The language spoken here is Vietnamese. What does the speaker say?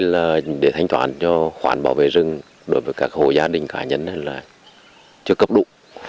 là để thanh toán cho khoản bảo vệ rừng đối với các hồ gia đình cá nhân là chưa cấp đủ